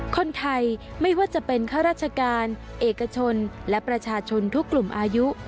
คนไทยไม่ว่าจะเป็นข้าราชการเอกชนและประชาชนทุกกลุ่มอายุ